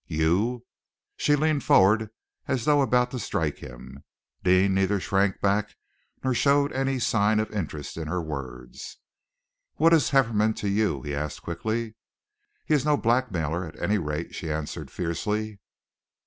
"You " She leaned forward as though about to strike him. Deane neither shrank back nor showed any sign of interest in her words. "What is Hefferom to you?" he asked quickly. "He is no blackmailer, at any rate!" she answered fiercely.